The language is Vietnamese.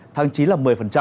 tháng chín là một mươi